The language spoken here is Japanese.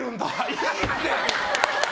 いいって！